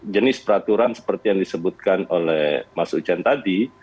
jenis peraturan seperti yang disebutkan oleh mas ujan tadi